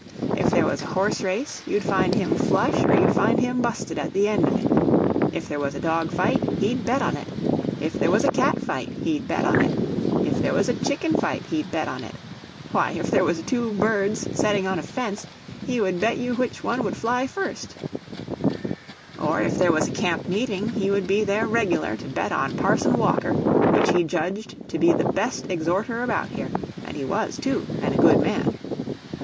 If there was a horse race, you'd find him flush or you'd find him busted at the end of it; if there was a dog fight, he'd bet on it; if there was a cat fight, he'd bet on it; if there was a chicken fight, he'd bet on it; why, if there was two birds setting on a fence, he would bet you which one would fly first; or if there was a camp meeting, he would be there reg'lar to bet on Parson Walker, which he judged to be the best exhorter about here, and he was, too, and a good man.